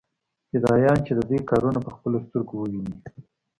فدايان چې د دوى کارونه په خپلو سترګو وويني.